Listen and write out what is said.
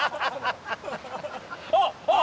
あっあっ！